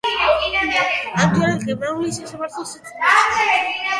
ამჯერად გერმანული სასამართლოს წინაშე.